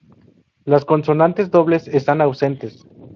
Las consonantes dobles están ausentes.